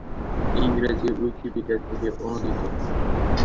ইংরেজি উইকিপিডিয়া থেকে অনূদিত